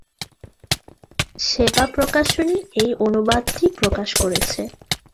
সেবা প্রকাশনী এই অনুবাদটি প্রকাশ করেছে।